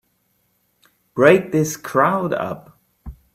Break this crowd up!